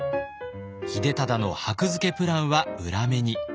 秀忠の箔付けプランは裏目に。